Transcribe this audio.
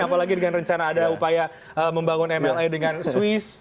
apalagi dengan rencana ada upaya membangun mla dengan swiss